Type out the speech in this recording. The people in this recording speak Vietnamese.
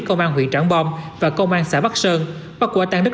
công an huyện trảng bom và công an xã bắc sơn bắt quả tàn đất